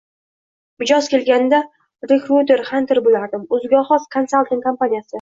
Mijoz kelganda rekruter, xanter boʻlardim, oʻziga xos konsalting kompaniyasi.